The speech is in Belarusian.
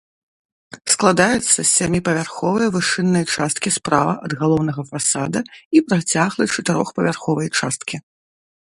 Складаецца з сяміпавярховай вышыннай часткі справа ад галоўнага фасада і працяглай чатырохпавярховай часткі.